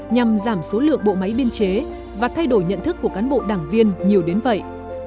nhằm giảm số lượng bộ máy biên chế và thay đổi nhận thức của cán bộ đảng viên nhiều đến vậy